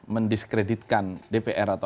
mendiskreditkan dpr atau